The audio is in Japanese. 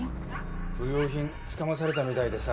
不良品つかまされたみたいでさ。